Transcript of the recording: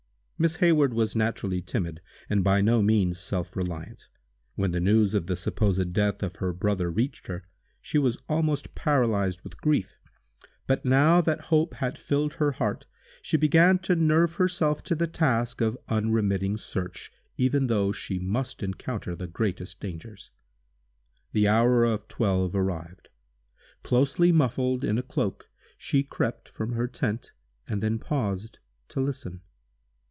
Miss Hayward was naturally timid, and by no means self reliant. When the news of the supposed death of her brother reached her, she was almost paralyzed with grief. But, now that hope had filled her heart, she began to nerve herself to the task of unremitting search, even though she must encounter the greatest dangers. The hour of twelve arrived. Closely muffled in a cloak, she crept from her tent, and then paused to listen.